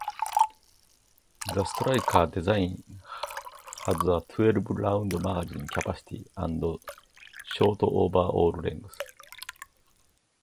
The Striker design has a twelve round magazine capacity and short overall length.